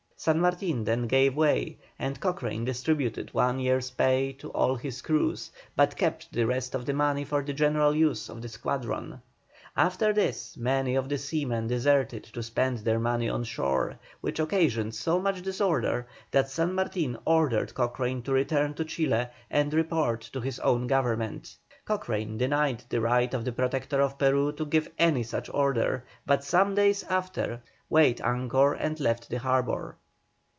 San Martin then gave way, and Cochrane distributed one year's pay to all his crews, but kept the rest of the money for the general use of the squadron. After this, many of the seamen deserted to spend their money on shore, which occasioned so much disorder, that San Martin ordered Cochrane to return to Chile and report to his own government. Cochrane denied the right of the Protector of Peru to give any such order, but some days after weighed anchor and left the harbour.